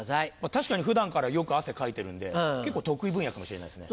確かに普段からよく汗かいてるんで結構得意分野かもしれないですね。